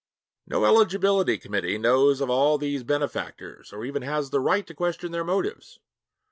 No eligibility committee knows of all these benefactors or even has the right to question their motives.